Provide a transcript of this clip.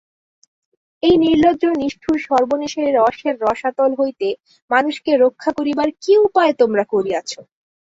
এই নির্লজ্জ নিষ্ঠুর সর্বনেশে রসের রসাতল হইতে মানুষকে রক্ষা করিবার কী উপায় তোমরা করিয়াছ?